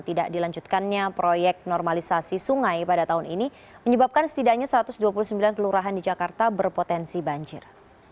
tidak dilanjutkannya proyek normalisasi sungai pada tahun ini menyebabkan setidaknya satu ratus dua puluh sembilan kelurahan di jakarta berpotensi banjir